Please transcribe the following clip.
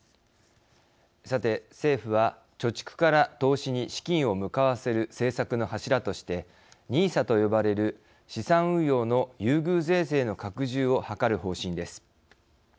さて政府は貯蓄から投資に資金を向かわせる政策の柱としてＮＩＳＡと呼ばれる資産運用の優遇税制の拡充をはかる方針です。